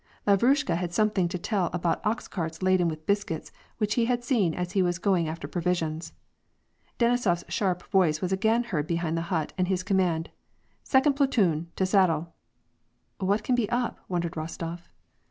Lavrushka had something to tell about ox carts laden with bis cuits which he had seen as he was going after provisions. DenisoFs sharp voice was again heard behind the hut, and his command :'^ Second platoon to saddle !"" What can be up ?" wondered Rostof.